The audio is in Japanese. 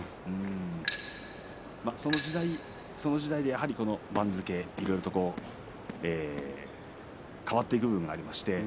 その時代その時代で番付にいろいろと変わっていく部分があります。